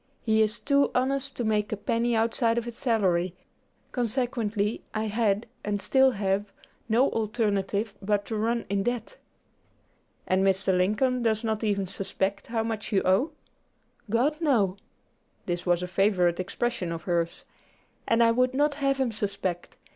He is too honest to make a penny outside of his salary; consequently I had, and still have, no alternative but to run in debt." "And Mr. Lincoln does not even suspect how much you owe?" "God, no!" this was a favorite expression of hers "and I would not have him suspect.